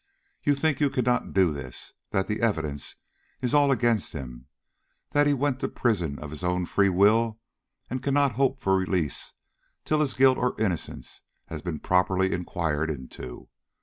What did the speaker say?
You think you cannot do this; that the evidence is all against him; that he went to prison of his own free will and cannot hope for release till his guilt or innocence has been properly inquired into.